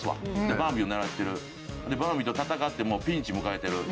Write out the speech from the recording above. ヴァンビを狙ってるバンビと戦ってピンチを迎えてる。